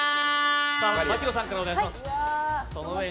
牧野さんからお願いします。